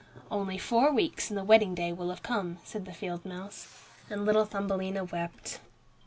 "Only four weeks and the wedding day will have come," said the field mouse. And little Thumbelina wept.